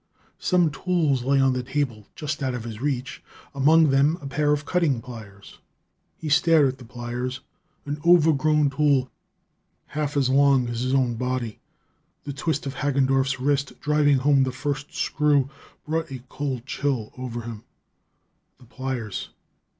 Some tools lay on the table, just out of his reach, among them a pair of cutting pliers. He stared at the pliers an overgrown tool, half as long as his own body. The twist of Hagendorff's wrist driving home the first screw brought a cold chill over him. The pliers!